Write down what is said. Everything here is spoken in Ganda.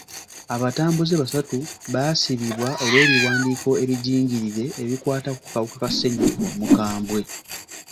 Abatambuze basatu baasibibwa olw'ebiwandiiko ebijingirire ebikwata ku kawuka ka sennyiga omukambwe.